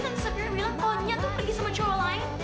kan sebenarnya bilang kalau dia tuh pergi sama cowok lain